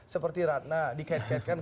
seperti ratna dikait kaitkan